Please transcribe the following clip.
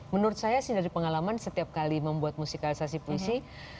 menurut saya sih dari pengalaman setiap kali membuat musikalisasi puisi